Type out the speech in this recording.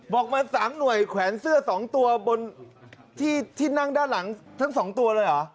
บอกมา๓หน่วยแขวนเสื้อ๒ตัวบนที่นั่งด้านหลังทั้ง๒ตัวเลยเหรอ